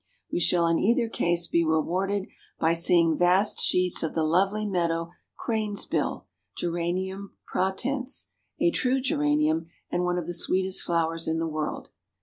We shall in either case be rewarded by seeing vast sheets of the lovely meadow Crane's Bill, Geranium pratense, a true Geranium, and one of the sweetest flowers in the world.